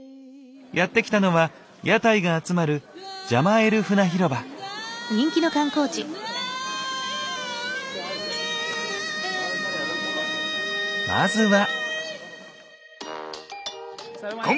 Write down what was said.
やって来たのは屋台が集まるまずは。